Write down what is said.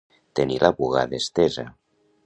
Tenir la bugada estesa.